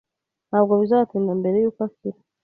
Ntabwo bizatinda mbere yuko akira.